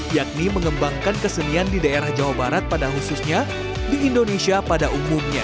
yakni mengembangkan kesenian di daerah jawa barat pada khususnya di indonesia pada umumnya